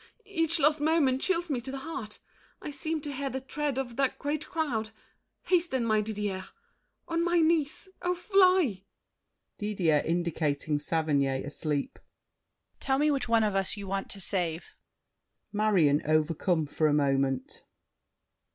Each lost moment chills me to the heart. I seem to hear the tread of that great crowd. Hasten, my Didier—on my knees—oh, fly! DIDIER (indicating Saverny, asleep). Tell me which one of us you want to save. MARION (overcome for a moment).